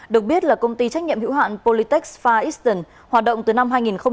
được biết là công ty trách nhiệm hữu hạn politex far eastern hoạt động từ năm hai nghìn một mươi năm